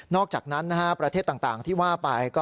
อกจากนั้นประเทศต่างที่ว่าไป